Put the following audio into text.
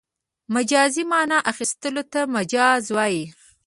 مجازي مانا اخستلو ته مجاز وايي.